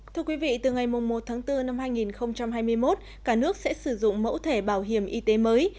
thưa quý vị từ ngày một bốn hai nghìn hai mươi một cả nước sẽ sử dụng mẫu thể bảo hiểm y tế mới